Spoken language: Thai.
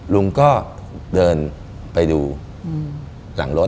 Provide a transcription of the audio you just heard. ลุงก็เดินไปดูหลังรถ